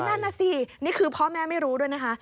นั่นน่ะสินี่คือพ่อแม่ไม่รู้ด้วยนะคะ